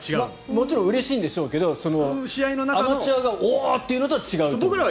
もちろんうれしいんでしょうけどアマチュアがおー！というのとは違うんですよね。